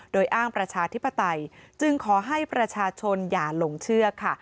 โดยอ้างประชาธิปไตยจึงขอให้ประชาชนอย่าหลงเชื่อค่ะ